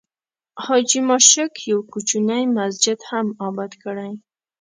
حاجي ماشک یو کوچنی مسجد هم آباد کړی.